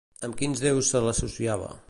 Amb quins déus se l'associava?